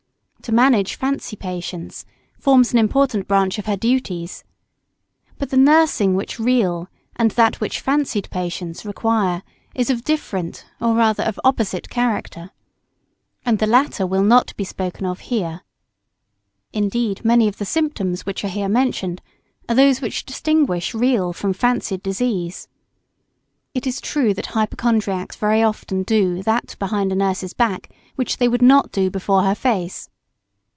To manage fancy patients forms an important branch of her duties. But the nursing which real and that which fancied patients require is of different, or rather of opposite, character. And the latter will not be spoken of here. Indeed, many of the symptoms which are here mentioned are those which distinguish real from fancied disease. It is true that hypochondriacs very often do that behind a nurse's back which they would not do before her face.